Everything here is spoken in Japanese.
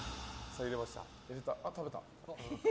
あ、食べた。